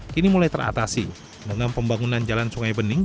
kini mulai teratasi dengan pembangunan jalan sungai bening